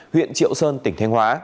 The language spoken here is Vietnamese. huyện triệu sơn tỉnh thanh hóa